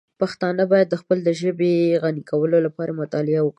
پښتانه باید د خپلې ژبې د غني کولو لپاره مطالعه وکړي.